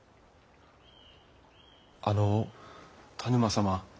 あの田沼様